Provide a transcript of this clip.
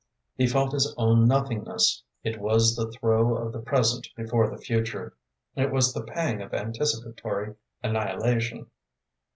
He felt his own nothingness. It was the throe of the present before the future; it was the pang of anticipatory annihilation.